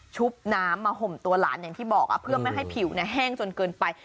บน้ำมาห่มตัวหลานอย่างที่บอกเพื่อไม่ให้ผิวแห้งจนเกินไป